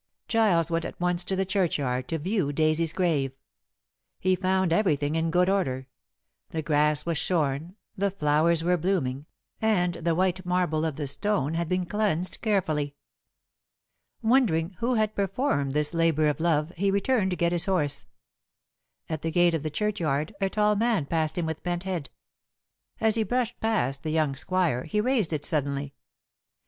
Giles went at once to the churchyard to view Daisy's grave. He found everything in good order. The grass was shorn, the flowers were blooming, and the white marble of the stone had been cleansed carefully. Wondering who had performed this labor of love, he returned to get his horse. At the gate of the churchyard a tall man passed him with bent head. As he brushed past the young squire he raised it suddenly.